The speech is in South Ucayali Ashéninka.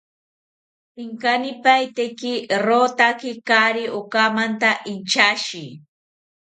Inkanipaeteki rotaki kaari okamanta inchashi